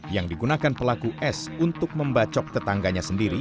yang digunakan pelaku s untuk membacok tetangganya sendiri